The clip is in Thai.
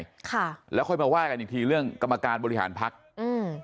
ค่ะแล้วค่อยมาว่ากันอีกทีเรื่องกรรมการบริหารพักอืม